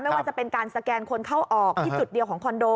ไม่ว่าจะเป็นการสแกนคนเข้าออกที่จุดเดียวของคอนโด